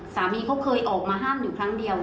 สามีเขาเคยออกมาห้ามอยู่ครั้งเดียว